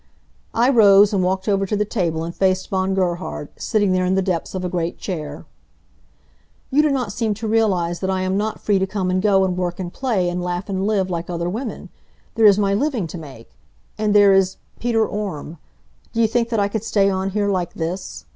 I rose and walked over to the table and faced Von Gerhard, sitting there in the depths of a great chair. "You do not seem to realize that I am not free to come and go, and work and play, and laugh and live like other women. There is my living to make. And there is Peter Orme. Do you think that I could stay on here like this?